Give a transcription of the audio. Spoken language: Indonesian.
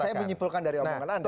saya menyimpulkan dari omongan anda